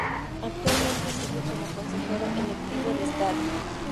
Actualmente sirve como Consejero electivo de Estado.